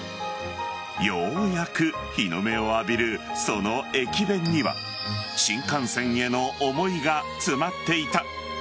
ようやく日の目を浴びるその駅弁には新幹線への思いが詰まっていた。